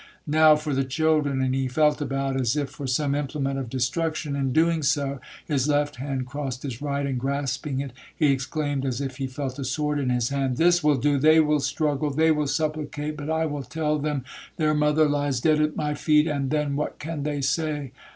'Now for the children!'—and he felt about as if for some implement of destruction. In doing so, his left hand crossed his right, and grasping it, he exclaimed as if he felt a sword in his hand,—'This will do—they will struggle—they will supplicate,—but I will tell them their mother lies dead at my feet, and then what can they say?